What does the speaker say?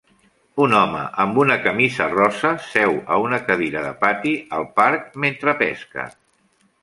Un home amb una camisa rosa seu a una cadira de pati al parc mentre pesca.